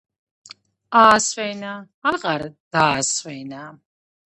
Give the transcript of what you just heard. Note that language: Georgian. აასვენა, აღარ დაასვენა